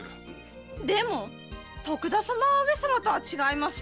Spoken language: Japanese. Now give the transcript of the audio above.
でも徳田様は上様とは違います。